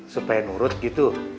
supaya nurut gitu